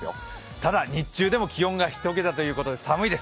ただ日中でも気温が１桁ということで寒いです。